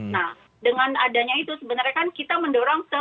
nah dengan adanya itu sebenarnya kan kita mendorong